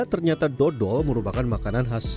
ternyata dodol merupakan makanan khas